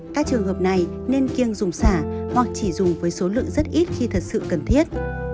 các trường hợp này nên kiêng dùng xả hoặc chỉ dùng với số lượng rất ít khi thật sự cần thiết